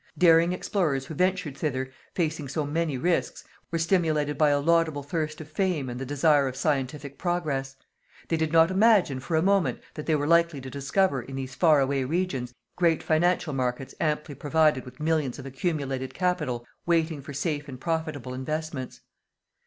Daring explorers who ventured thither, facing so many risks, were stimulated by a laudable thirst of fame and the desire of scientific progress. They did not imagine, for a moment, that they were likely to discover, in these far away regions, great financial markets amply provided with millions of accumulated capital waiting for safe and profitable investments.